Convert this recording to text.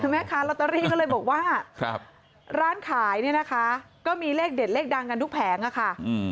แม่ค้าลอตเตอรี่ก็เลยบอกว่าร้านขายเนี่ยนะคะก็มีเลขเด็ดเลขดังกันทุกแผงอะค่ะ